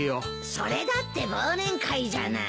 それだって忘年会じゃない。